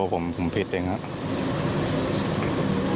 อันนี้อารมณ์ตัวผมผิดจริงนะครับ